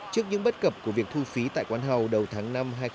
trước những bất cập của việc thu phí tại quán hầu đầu tháng năm hai nghìn một mươi bảy